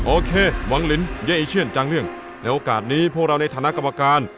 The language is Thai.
โอเคหวังลินเย้อีเชียนจังเรื่องในโอกาสนี้พวกเราในฐานะกรรมการ